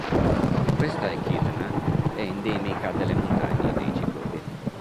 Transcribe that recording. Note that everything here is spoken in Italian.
Questa echidna è endemica delle Montagne dei Ciclopi.